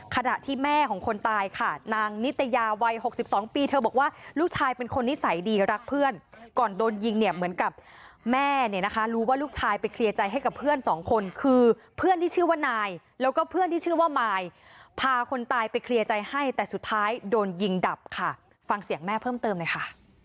ขณะที่แม่ของคนตายค่ะนางนิตยาวัย๖๒ปีเธอบอกว่าลูกชายเป็นคนนิสัยดีรักเพื่อนก่อนโดนยิงเนี่ยเหมือนกับแม่เนี่ยนะคะรู้ว่าลูกชายไปเคลียร์ใจให้กับเพื่อนสองคนคือเพื่อนที่ชื่อว่านายแล้วก็เพื่อนที่ชื่อว่ามายพาคนตายไปเคลียร์ใจให้แต่สุดท้ายโดนยิงดับค่ะฟังเสียงแม่เพิ่มเติมหน่อยค่ะ